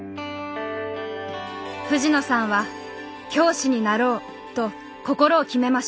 藤野さんは「教師になろう」と心を決めました。